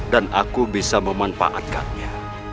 dan aku dapat memanfaatkannya